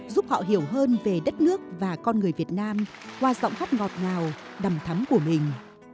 giúp họ hiểu hơn về đất nước và con người việt nam qua giọng hát ngọt ngào đầm thắm của mình